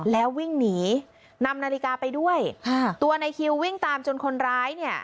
แล้ววิ่งหนีนำนาฬิกาไปด้วยค่ะตัวในคิววิ่งตามจนคนร้ายเนี่ย